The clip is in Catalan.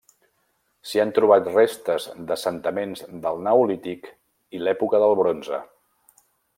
S'hi han trobat restes d'assentaments del neolític i l'època del bronze.